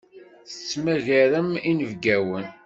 Tettmagarem inebgawen.